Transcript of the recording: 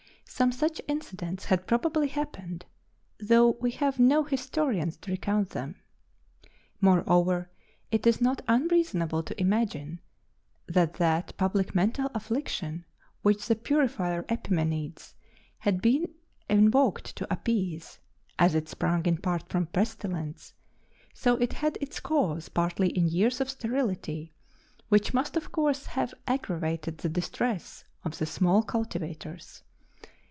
Some such incidents had probably happened, though we have no historians to recount them. Moreover, it is not unreasonable to imagine that that public mental affliction which the purifier Epimenides had been invoked to appease, as it sprung in part from pestilence, so it had its cause partly in years of sterility, which must of course have aggravated the distress of the small cultivators.